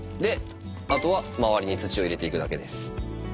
あとは周りに土を入れていくだけです。